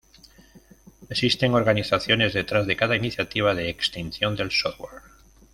Existen organizaciones detrás de cada iniciativa de distinción del "software".